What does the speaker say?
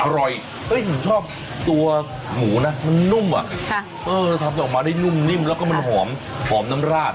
อร่อยผมชอบตัวหมูนะมันนุ่มอ่ะเออทำออกมาได้นุ่มนิ่มแล้วก็มันหอมหอมน้ำราด